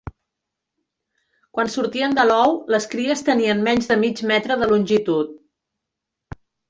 Quan sortien de l'ou les cries tenien menys de mig metre de longitud.